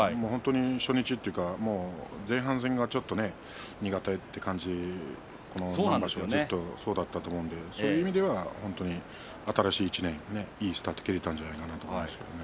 初日というか前半戦がちょっと苦手という感じ場所、ずっとそうだったと思うんですけれどそういう意味では新しい１年いいスタートが切れたんじゃないですかね。